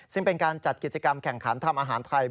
ซึ่งเป็นการจัดกิจกรรมแข่งขันทำอาหารไทย